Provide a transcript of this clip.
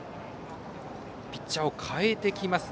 ピッチャーを代えてきます